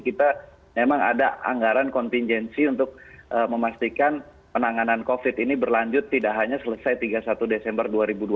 kita memang ada anggaran kontingensi untuk memastikan penanganan covid ini berlanjut tidak hanya selesai tiga puluh satu desember dua ribu dua puluh